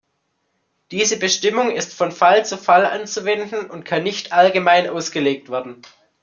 Diese Bestimmung ist von Fall zu Fall anzuwenden und kann nicht allgemein ausgelegt werden.